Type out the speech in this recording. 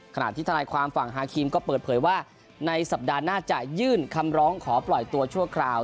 ขณะที่ทนายความฝั่งฮาครีมก็เปิดเผยว่าในสัปดาห์หน้าจะยื่นคำร้องขอปล่อยตัวชั่วคราว